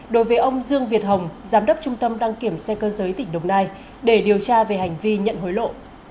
đối với ông dương việt hồng giám đốc trung tâm đăng kiểm xe cơ giới tỉnh đồng nai để điều tra về hành vi nhận hối lộ